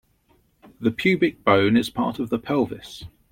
The pubic bone is part of the pelvis.